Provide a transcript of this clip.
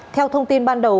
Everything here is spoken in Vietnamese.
theo thông tin ban đầu